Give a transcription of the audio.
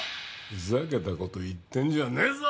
ふざけたこと言ってんじゃねえぞ！